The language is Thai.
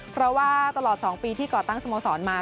เพราะว่าตลอด๒ปีที่ก่อตั้งสโมสรมา